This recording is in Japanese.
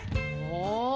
ああ。